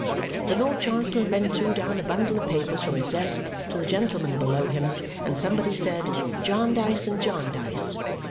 The Lord Chancellor then threw down a bundle of papers from his desk to the gentlemen below him, and somebody said, "Jarndyce and Jarndyce."